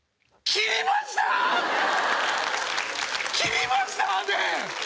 切りました？ねえ。